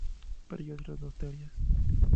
Pero hay otras dos teorías.